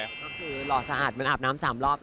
ก็คือหล่อสะอาดมึงอาบน้ำ๓รอบ